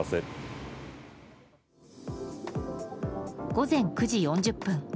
午前９時４０分。